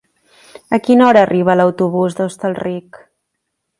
A quina hora arriba l'autobús de Hostalric?